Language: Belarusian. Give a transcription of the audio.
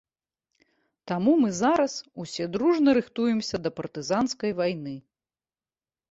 Таму мы зараз усе дружна рыхтуемся да партызанскай вайны.